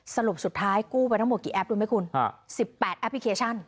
สรุปสุดท้ายกู้ไปทั้งหมดกี่แอปรู้ไหมคุณ๑๘แอปพลิเคชัน